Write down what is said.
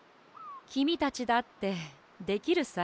きみたちだってできるさ。